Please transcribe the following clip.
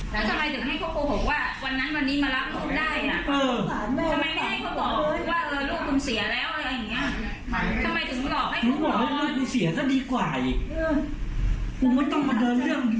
แล้วทำไมถึงให้เขาโกหกว่าวันนั้นวันนี้มารับเขาได้น่ะ